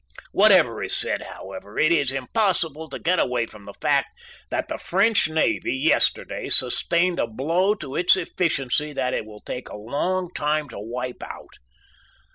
Whatever is said, however, it is impossible to get away from the fact that the French Navy yesterday sustained a blow to its efficiency that it will take a long time to wipe out.